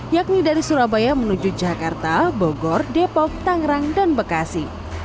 yakni dari surabaya menuju jakarta bogor depok tangerang dan bekasi